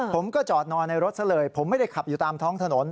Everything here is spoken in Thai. ผมก็จอดนอนในรถซะเลยผมไม่ได้ขับอยู่ตามท้องถนน